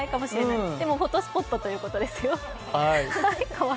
でもフォトスポットということですよ。